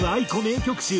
ａｉｋｏ名曲集。